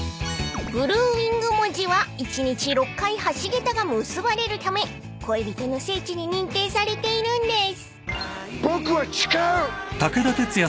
［ブルーウィングもじは一日６回橋桁が結ばれるため恋人の聖地に認定されているんです］